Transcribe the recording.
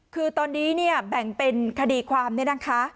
คือตอนนี้เนี่ยแบ่งเป็นคดีความเนี่ยนะคะ